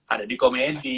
ada di komedi